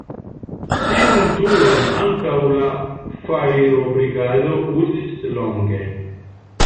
Tiun turon ankaŭ la fajrobrigado uzis longe.